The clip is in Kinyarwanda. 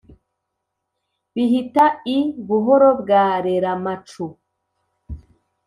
bihita i buhoro bwa reramacu